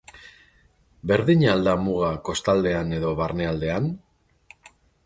Berdina al da muga kostaldean edo barnealdean?